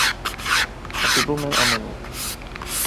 Հանդիպում են ամենուր։